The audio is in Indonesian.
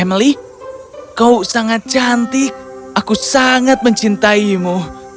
emily kau sangat cantik aku sangat mencintaimu